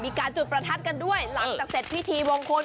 มีการจุดประทัดกันด้วยหลังจากเสร็จพิธีวงคุณ